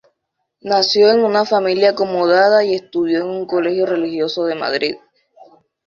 Nació en una familia acomodada y estudió en un colegio religioso de Madrid.